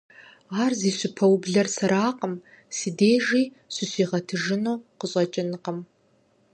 Ар зи щыпэублэр сэракъым, си дежи щыщигъэтыжыну къыщӀэкӀынкъым.